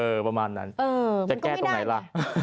ประมาณนั้นจะแก้ตรงไหนล่ะ